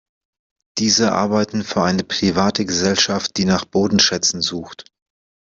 Diese arbeiten für eine private Gesellschaft, die nach Bodenschätzen sucht.